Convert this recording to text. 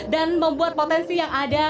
dan membuat potensi yang ada